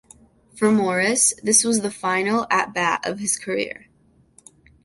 For Morris, this was the final at bat of his career.